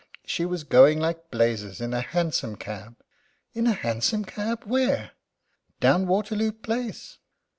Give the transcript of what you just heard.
"She was going like blazes in a hansom cab." "In a hansom cab? Where?" "Down Waterloo Place."